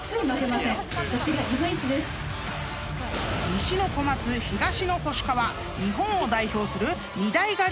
［西の小松東の星川日本を代表する２大我流